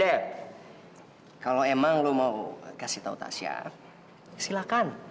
saya kalau emang lo mau kasih tahu tasya silakan